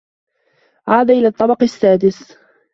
عاد إلى الطّبق السّادس.